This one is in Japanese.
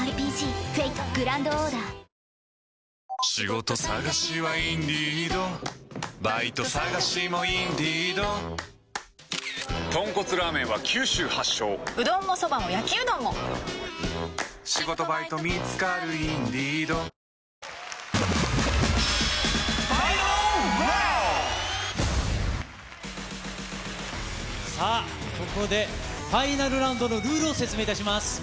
ご参加いただきますと、さあ、ここでファイナルラウンドのルールを説明いたします。